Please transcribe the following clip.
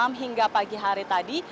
malam hingga pagi hari tadi